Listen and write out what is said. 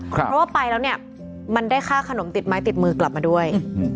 เพราะว่าไปแล้วเนี่ยมันได้ค่าขนมติดไม้ติดมือกลับมาด้วย